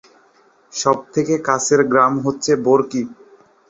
সবচেয়ে কাছের গ্রাম হচ্ছে বরকি।